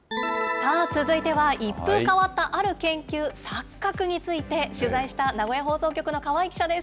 さあ続いては、一風変わったある研究、錯覚について、取材した名古屋放送局の河合記者です。